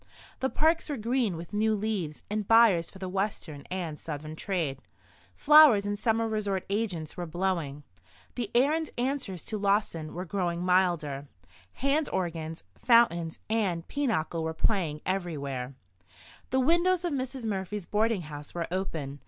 The parks were green with new leaves and buyers for the Western and Southern trade. Flowers and summer resort agents were blowing; the air and answers to Lawson were growing milder; hand organs, fountains and pinochle were playing everywhere. The windows of Mrs. Murphy's boarding house were open.